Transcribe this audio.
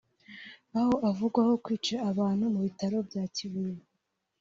aho avugwaho kwicira abantu mu bitaro bya Kibuye